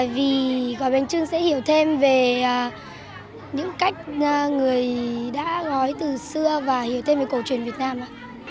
vì gói bánh trưng sẽ hiểu thêm về những cách người đã gói từ xưa và hiểu thêm về cổ truyền việt nam ạ